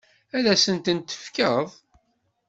Ad asent-tent-tefkeḍ?